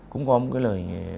cũng có một cái lời